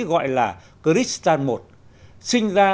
gọi là christian i sinh ra